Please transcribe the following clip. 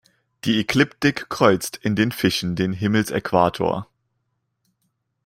Die Ekliptik kreuzt in den Fischen den Himmelsäquator.